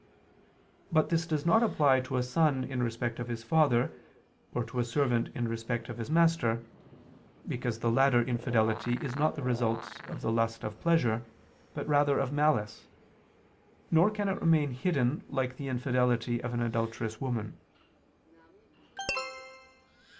But this does not apply to a son in respect of his father, or to a servant in respect of his master: because the latter infidelity is not the result of the lust of pleasure, but rather of malice: nor can it remain hidden like the infidelity of an adulterous woman.